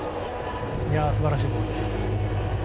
素晴らしいボールです。